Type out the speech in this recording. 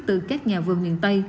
từ các nhà vườn miền tây